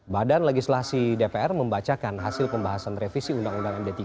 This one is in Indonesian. badan legislasi dpr membacakan hasil pembahasan revisi undang undang md tiga